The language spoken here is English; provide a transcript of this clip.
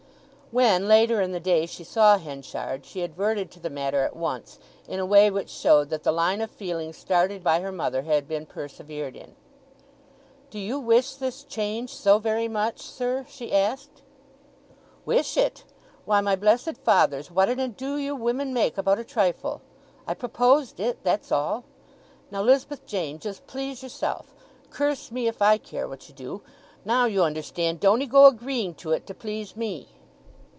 When, later in the day, she saw Henchard, she adverted to the matter at once, in a way which showed that the line of feeling started by her mother had been persevered in. "Do you wish this change so very much, sir?" she asked. "Wish it? Why, my blessed fathers, what an ado you women make about a trifle! I proposed it—that's all. Now, 'Lizabeth Jane, just please yourself. Curse me if I care what you do. Now, you understand, don't 'ee go agreeing to it to please me."